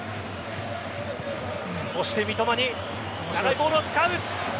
そして三笘に長いボールを使う。